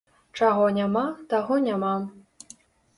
Чаго няма, таго няма.